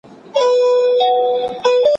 جهالت د بدبختۍ لامل دی.